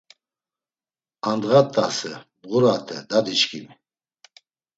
A ndğa t̆ase, bğurate, dadiçkimi